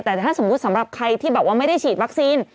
แต่ถ้าสมมุติสำหรับใครที่แบบว่าไม่ได้ฉีดวัคซีน